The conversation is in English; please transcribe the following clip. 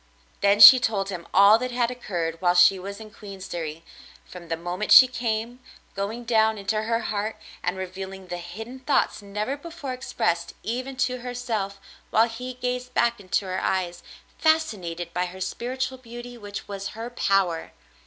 Then she told him all that had occurred while she was in Queensderry, from the moment she came, going down into her heart and revealing the hidden thoughts never before expressed even to herself, while he gazed back into her eyes fascinated by her spiritual beauty which was her power.